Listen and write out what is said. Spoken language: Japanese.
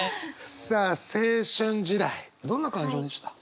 さあ青春時代どんな感情でした？